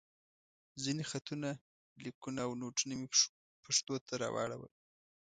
خپل خطونه، ليکونه او نوټونه مې پښتو ته راواړول.